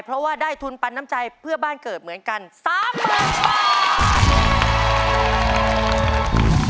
เพราะว่าได้ทุนปันน้ำใจเพื่อบ้านเกิดเหมือนกัน๓๐๐๐บาท